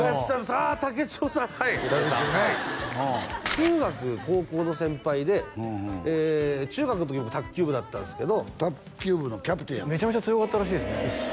ああ竹千代さんはい中学高校の先輩で中学の時に僕卓球部だったんすけど卓球部のキャプテンやってメチャメチャ強かったらしいですね